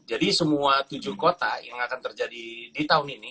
jadi semua tujuh kota yang akan terjadi di tahun ini